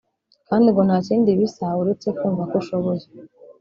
kandi ngo nta kindi bisa uretse kumva ko ushoboye